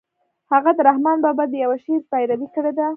هغه د رحمن بابا د يوه شعر پيروي کړې ده.